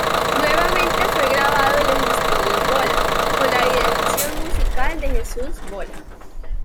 Nuevamente fue grabado en los Estudios Bola, con la Dirección Musical de Jesús Bola.